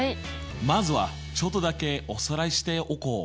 まずはちょっとだけおさらいしておこう。